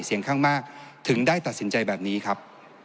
เสียงข้างมากถึงได้ตัดสินใจแบบนี้ครับ